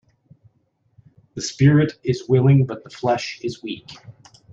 The spirit is willing but the flesh is weak.